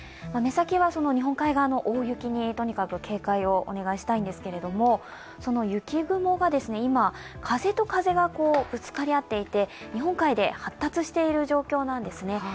目先は日本海側の大雪にとにかく警戒をお願いしたいんですけど、雪雲が今、風と風がぶつかり合っていて、日本海で発達している状況なんですね。